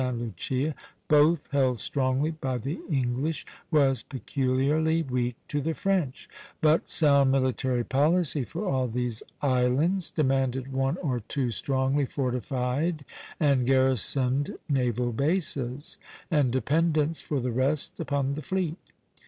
Lucia, both held strongly by the English, was peculiarly weak to the French; but sound military policy for all these islands demanded one or two strongly fortified and garrisoned naval bases, and dependence for the rest upon the fleet.